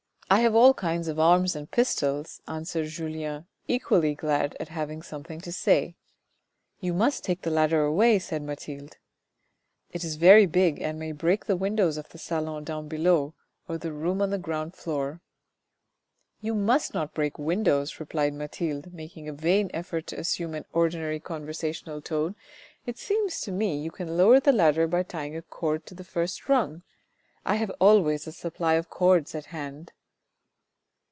" I have all kinds of arms and pistols," answered Julien equally glad at having something to say. " You must take the ladder away," said Mathilde. " It is very big, and may break the windows of the salon down below or the room on the ground floor." "You must not break the windows," replied Mathilde making a vain effort to assume an ordinary conversational tone ; "it seems to me you can lower the ladder by tying a cord to the first rung. I have always a supply of cords at hand."